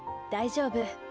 大丈夫。